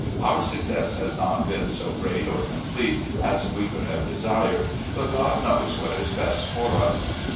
Our success has not been so great or complete as we could have desired, but God knows what is best for us.